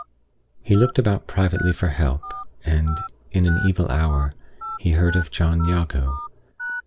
he looked about privately for help; and, in an evil hour, he heard of John Jago.